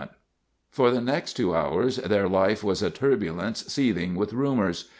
(Christopherson)] For the next two hours, their life was a turbulence seething with rumors.